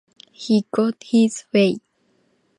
He got his way.